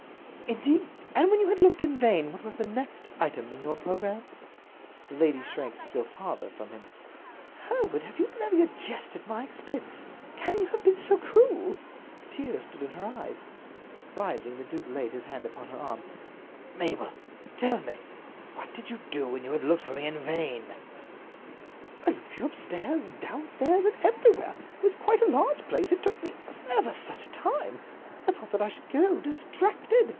"Indeed! And when you had looked in vain, what was the next item in your programme?" The lady shrank still farther from him. "Hereward, have you been having a jest at my expense? Can you have been so cruel?" Tears stood in her eyes. Rising, the duke laid his hand upon her arm. "Mabel, tell me—what did you do when you had looked for me in vain?" "I looked for you upstairs and downstairs and everywhere. It was quite a large place, it took me ever such a time. I thought that I should go distracted.